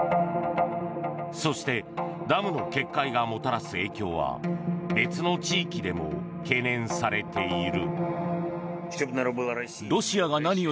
そしてダムの決壊がもたらす影響は別の地域でも懸念されている。